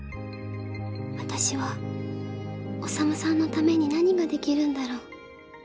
私は宰さんのために何ができるんだろう